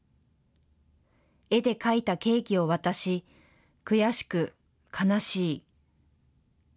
絵で描いたケーキを渡し、悔しく悲しい。